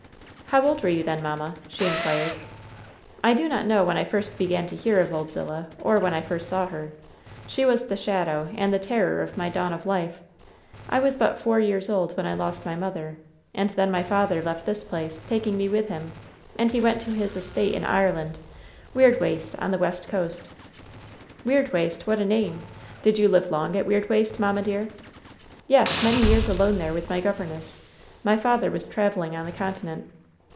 "How old were you then, mamma ?" she inquired. "I do not know when I first began to hear of Old Zil lah, or when I first saw her. She was the shadow and the terror of my dawn of life. I was but four years old when I lost my mother, and then my father left this place, taking me with him ; and he went to his estate in Ireland — ^Weirdwaste, on the west coast." " ^Weirdwaste !' What a name ! Did you live long at Weirdwaste, mamma, dear ?" "Yes, many years alone there with my governess. My father was traveling on the continent."